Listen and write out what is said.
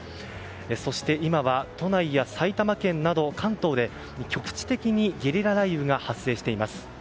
そして、今は都内や埼玉県など関東で局地的にゲリラ雷雨が発生しています。